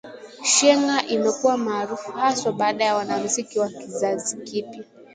‘Sheng’ imekuwa maarufu haswa baada ya wanamziki wa kizazi kipya